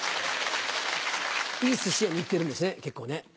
いい寿司屋に行ってるんですね結構ね。